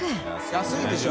安いでしょ？